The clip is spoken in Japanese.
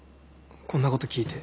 こんなこと聞いて。